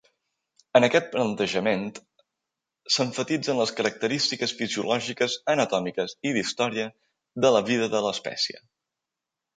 En aquest plantejament es emfatitzen les característiques fisiològiques, anatòmiques i d'història de la vida de l'espècie.